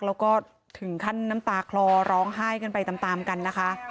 แล้วก็ถึงขั้นน้ำตาคลอร้องไห้กันไปตามกันนะคะ